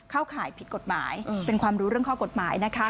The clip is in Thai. ข่ายผิดกฎหมายเป็นความรู้เรื่องข้อกฎหมายนะคะ